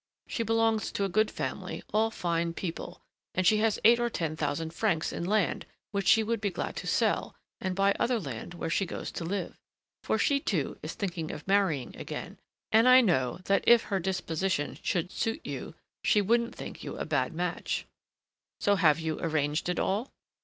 She belongs to a good family, all fine people, and she has eight or ten thousand francs in land which she would be glad to sell, and buy other land where she goes to live; for she, too, is thinking of marrying again, and I know that, if her disposition should suit you, she wouldn't think you a bad match." "So you have arranged it all?"